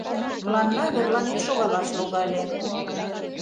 Мыланна верланен шогалаш логале.